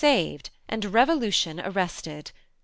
saved, and revolution arrested.